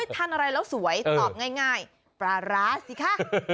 ทานอะไรแล้วสวยตอบง่ายปลาร้าสิคะ